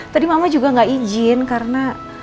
tadi mama juga nggak izin karena